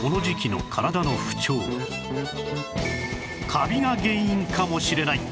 カビが原因かもしれない